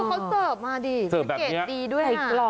มองดูเค้าเซิร์ฟมาดีเซิร์ฟแบบนี้เทะเกรดดีด้วย